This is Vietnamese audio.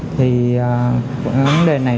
thì vấn đề này